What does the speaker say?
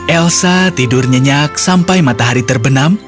elsa tidur nyenyak sampai matahari terbenam